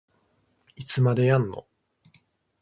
いつまでやんの